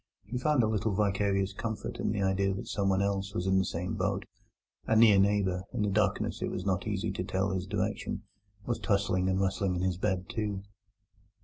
He found a little vicarious comfort in the idea that someone else was in the same boat. A near neighbour (in the darkness it was not easy to tell his direction) was tossing and rustling in his bed, too.